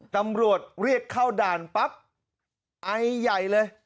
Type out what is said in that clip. ตำรวจเรียกเข้าด่านปั๊บไอใหญ่เลย